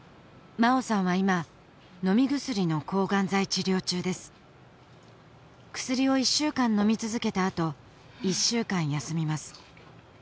茉緒さんは今飲み薬の抗がん剤治療中です薬を１週間飲み続けたあと１週間休みます